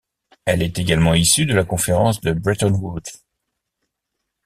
Elle est également issue de la conférence de Bretton Woods.